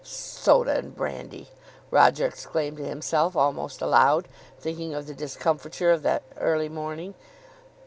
"Soda and brandy!" Roger exclaimed to himself almost aloud, thinking of the discomfiture of that early morning.